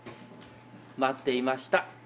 待っていました。